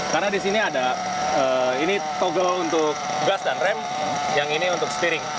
karena di sini ada ini toggle untuk gas dan rem yang ini untuk steering